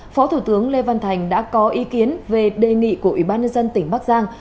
phó thủ tướng lê văn thành đã có ý kiến về đề nghị của ủy ban nhân dân tỉnh bắc giang